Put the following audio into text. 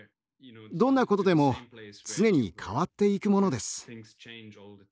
どんなことでも常に変わっていくものです。